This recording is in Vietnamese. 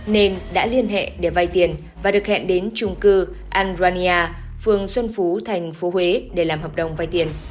nên đã liên hệ để vay tiền và được hẹn đến trung cư andronia phường xuân phú thành phố huế để làm hợp đồng vay tiền